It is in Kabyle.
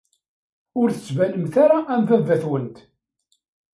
Ur d-tettbanemt ara am baba-twent.